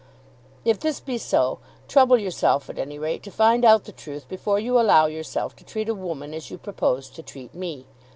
If this be so, trouble yourself at any rate to find out the truth before you allow yourself to treat a woman as you propose to treat me.